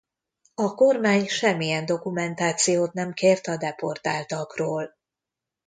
A kormány semmilyen dokumentációt nem kért a deportáltakról.